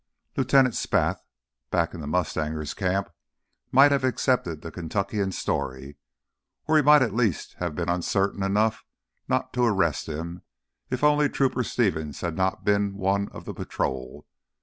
Lieutenant Spath, back in the mustangers' camp, might have accepted the Kentuckian's story. Or he might at least have been uncertain enough not to arrest him, if only Trooper Stevens had not been one of the patrol.